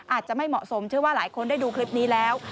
อาจจะไม่เหมาะสมเชื่อว่าหลายคนได้ดูคลิปนี้แล้ว